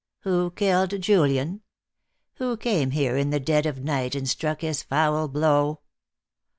Who killed Julian? Who came here in the dead of night and struck his foul blow?